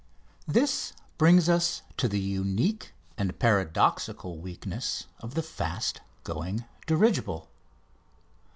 This brings us to the unique and paradoxical weakness of the fast going dirigible.